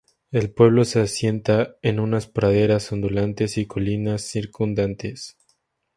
El pueblo se asienta en unas praderas ondulantes y colinas circundantes.